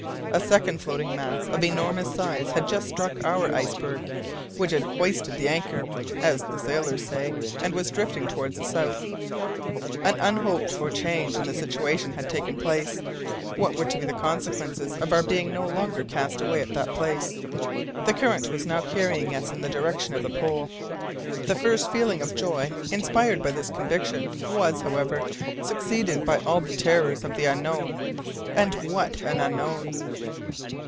A second floating mass of enormous size had just struck our iceberg, which had "hoisted the anchor" (as the sailors say) and was drifting towards the south. An unhoped for change in the situation had taken place. What were to be the consequences of our being no longer cast away at that place? The current was now carrying us in the direction of the pole! The first feeling of joy inspired by this conviction was, however, succeeded by all the terrors of the unknown! and what an unknown!